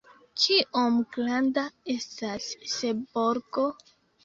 Kiom granda estas Seborgo?